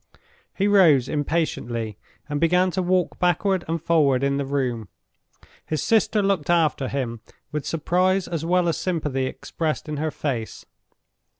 He rose impatiently, and began to walk backward and forward in the room. His sister looked after him, with surprise as well as sympathy expressed in her face.